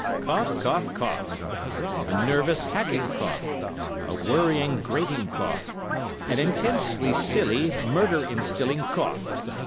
"Cough, cough, cough. A nervous, hacking cough, a worrying, grating cough, an intensely silly, murder instilling cough.